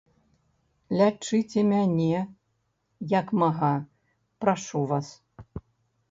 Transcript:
Лячыце мяне, як мага, прашу вас.